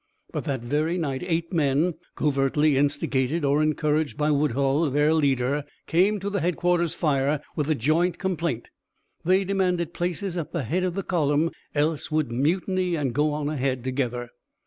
But that very night eight men, covertly instigated or encouraged by Woodhull, their leader, came to the headquarters fire with a joint complaint. They demanded places at the head of the column, else would mutiny and go on ahead together.